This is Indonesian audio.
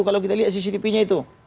kalau kita lihat cctvnya itu